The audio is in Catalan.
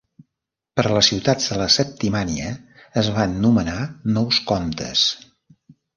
Per a les ciutats de la Septimània es van nomenar nous comtes.